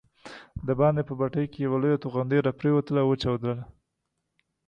دباندې په بټۍ کې یوه لویه توغندۍ راپرېوتله او وچاودل.